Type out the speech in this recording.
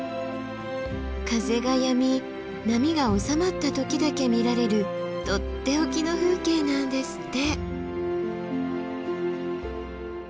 風がやみ波が収まった時だけ見られるとっておきの風景なんですって。